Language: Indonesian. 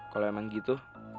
kalau emang gitu